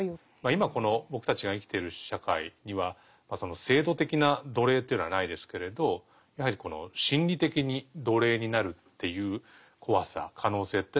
今この僕たちが生きてる社会にはその制度的な奴隷というのはないですけれどやはり心理的に奴隷になるっていう怖さ可能性っていうのは常にある。